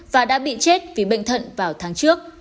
và đã bị chết vì bệnh thận vào tháng trước